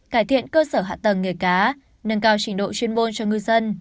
cải thiện cơ sở hạ tầng nghề cá nâng cao trình độ chuyên môn cho ngư dân